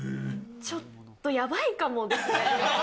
ちょっとやばいかもですね。